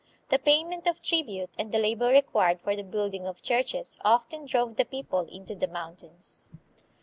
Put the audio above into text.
The payment of tribute and the labor required for the building of churches often drove the people into the mountains.